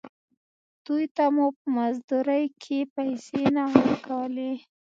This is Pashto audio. دوې ته مو په مزدورۍ کښې پيسې نه ورکولې.